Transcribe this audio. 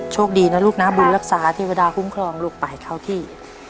โชคดีนะลูกนะบุญรักษาเทวดาคุ้มครองลูกไปเข้าที่